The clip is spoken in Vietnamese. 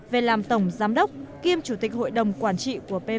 về làm tổng giám đốc kiêm chủ tịch hội đồng quản trị